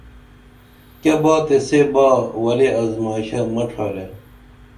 کیہ با تے سے با ورے ازمائشہ مہ ڇھارے